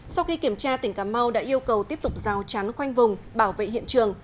sau khi kiểm tra tỉnh cà mau đã yêu cầu tiếp tục rào trán khoanh vùng bảo vệ hiện trường